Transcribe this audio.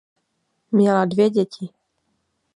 Měla dvě děti.